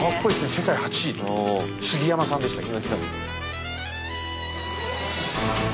世界８位杉山さんでしたっけ。